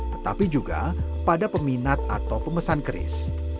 tetapi juga pada peminat atau pemesan keris